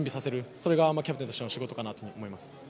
それがキャプテンとしての仕事かなと思います。